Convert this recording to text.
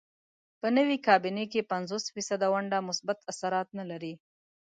په نوې کابینې کې پنځوس فیصده ونډه مثبت اثرات نه لري.